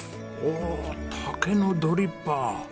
おお竹のドリッパー！